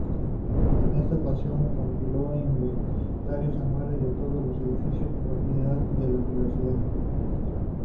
En esta posición compiló inventarios anuales de todos los edificios propiedad de la universidad.